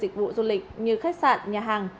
dịch vụ du lịch như khách sạn nhà hàng